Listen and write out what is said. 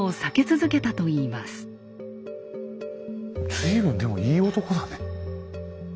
随分でもいい男だね。